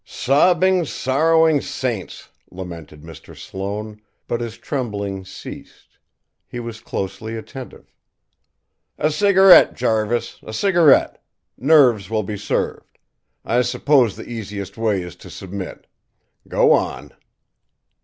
"Sobbing, sorrowing saints!" lamented Mr. Sloane, but his trembling ceased; he was closely attentive. "A cigarette, Jarvis, a cigarette! Nerves will be served. I suppose the easiest way is to submit. Go on."